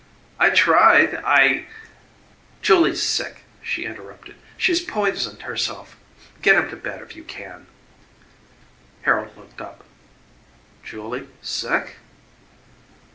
"I tried; I " "Julie's sick," she interrupted; "she's poisoned herself. Get him to bed if you can." Harold looked up. "Julie sick?"